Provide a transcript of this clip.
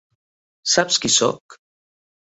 Saps qui soc?